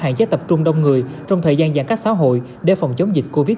hạn chế tập trung đông người trong thời gian giãn cách xã hội để phòng chống dịch covid một mươi chín